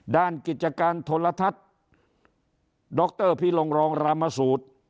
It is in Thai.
ด้านกิจการทนลทัศน์ดรพิรองรองรามสูตร